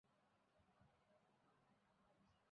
লোকে অনেক সময় এই দুই অর্থ লইয়া গোল করিয়া থাকে।